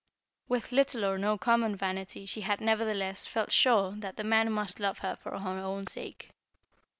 With little or no common vanity she had nevertheless felt sure that the man must love her for her own sake.